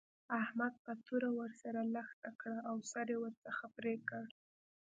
احمد په توره ور سره لښته کړه او سر يې ورڅخه پرې کړ.